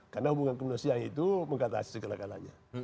karena hubungan kemanusiaan itu mengatasi segala galanya